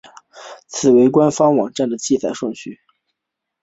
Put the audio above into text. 此为官方网站的记载顺序。